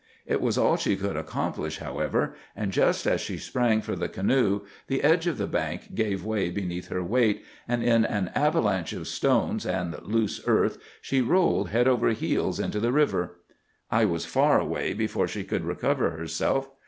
It was all she could accomplish, however; and just as she sprang for the canoe the edge of the bank gave way beneath her weight, and in an avalanche of stones and loose earth she rolled head over heels into the river. I was far away before she could recover herself.